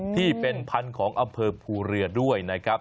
ที่เป็นพันธุ์ของอำเภอภูเรือด้วยนะครับ